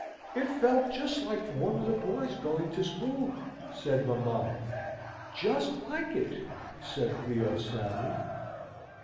"It felt just like one of the boys going to school," said mamma. "Just like it," said Theo, sadly.